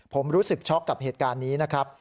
ผมรู้สึกช็อกกับเหตุการณ์นี้นะครับ